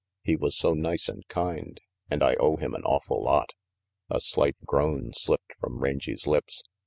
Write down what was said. He was so nice and kind, and I owe him an awful lot A slight groan slipped from Range's lips.